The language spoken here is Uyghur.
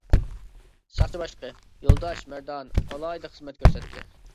ساقچى باشلىقى:-يولداش مەردان ئالاھىدە خىزمەت كۆرسەتتى.